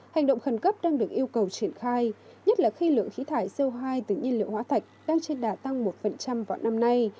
hành động khẩn cấp đang được yêu cầu triển khai nhất là khi lượng khí thải co hai từ nhiên liệu hóa thạch đang trên đà tăng một vào năm nay